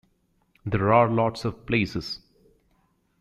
There're lots of places.